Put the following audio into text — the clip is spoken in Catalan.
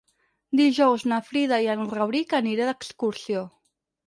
Dijous na Frida i en Rauric aniré d'excursió.